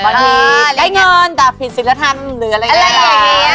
บางทีได้เงินแต่ผิดศิลธรรมหรืออะไรอย่างนี้